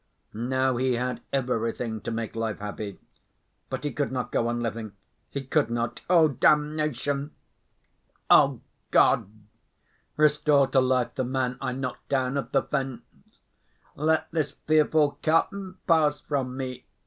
Now he had everything to make life happy ... but he could not go on living, he could not; oh, damnation! "O God! restore to life the man I knocked down at the fence! Let this fearful cup pass from me!